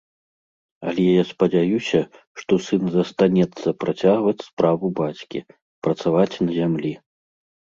Але я спадзяюся, што сын застанецца працягваць справу бацькі, працаваць на зямлі.